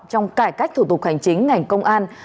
trong cải cách thủ tục hành chính ngành công an